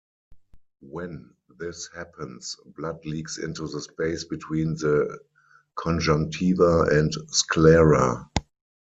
When this happens, blood leaks into the space between the conjunctiva and sclera.